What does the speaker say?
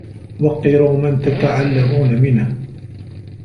وَقِّرُوا مَنْ تَتَعَلَّمُونَ مِنْهُ